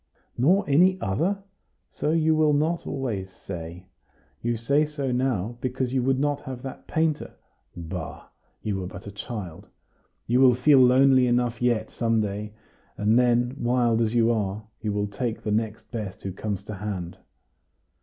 "Nor any other? So you will not always say! You say so now, because you would not have that painter. Bah! you were but a child! You will feel lonely enough yet, some day; and then, wild as you are, you will take the next best who comes to hand."